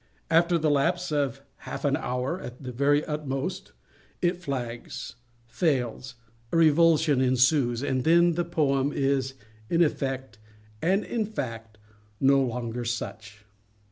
After the lapse of half an hour, at the very utmost, it flags—fails—a revulsion ensues—and then the poem is, in effect, and in fact, no longer such.